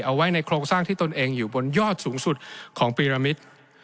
เอาไว้ในโครงสร้างที่ตนเองอยู่บนยอดสูงสุดของปีรมิตร